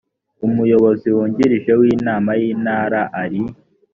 amuyobozi wungirije w inama y intara ari